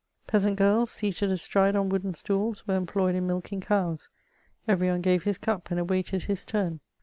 Peasant ^ls, seated astriae on wooden stools, were employed in milking cows ; eYetj one gave his cup and awaited his turn.